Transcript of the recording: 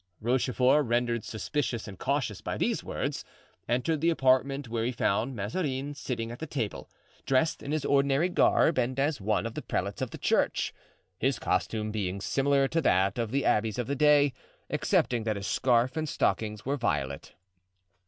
Rochefort, rendered suspicious and cautious by these words, entered the apartment, where he found Mazarin sitting at the table, dressed in his ordinary garb and as one of the prelates of the Church, his costume being similar to that of the abbés in that day, excepting that his scarf and stockings were violet.